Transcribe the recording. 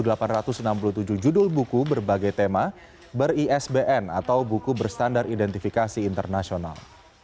tidak ada yang mencoba mengambil buku berbagai tema ber isbn atau buku berstandar identifikasi internasional